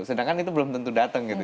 sedangkan itu belum tentu datang gitu